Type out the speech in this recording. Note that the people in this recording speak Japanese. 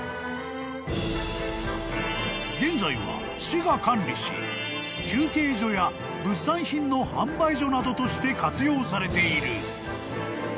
［現在は市が管理し休憩所や物産品の販売所などとして活用されている］